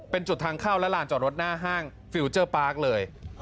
เป็นจุดทางเข้าและลานจอดรถหน้าห้างฟิลเจอร์ปาร์คเลย